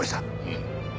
うん。